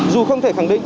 dù không thể khẳng định